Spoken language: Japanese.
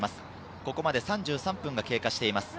ここまで３３分が経過しています。